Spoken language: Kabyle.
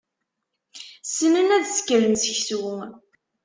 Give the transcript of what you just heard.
Ssnen ad sekren seksu.